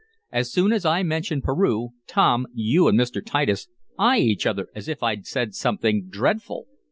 As soon as I mention Peru, Tom, you and Mr. Titus eye each other as if I'd said something dreadful.